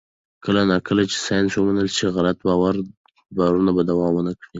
کله نا کله چې ساینس ومنل شي، غلط باورونه به دوام ونه کړي.